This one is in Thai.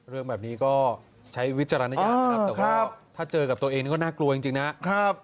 เรื่องแบบนี้ก็ใช้วิจารณญาณนะครับแต่ว่าถ้าเจอกับตัวเองนี่ก็น่ากลัวจริงนะครับ